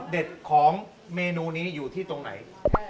ของเมนูนี้อยู่ที่ตรงไหน